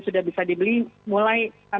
sudah bisa dibeli mulai enam puluh